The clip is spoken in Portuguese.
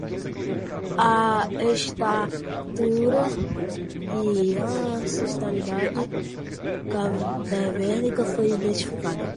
A estatura e a ancestralidade cadavérica foi identificada